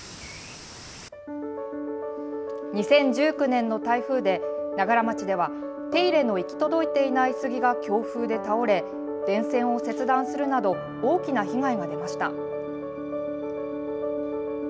２０１９年の台風で長柄町では手入れの行き届いていない杉が強風で倒れ電線を切断するなど大きな被害が出ました。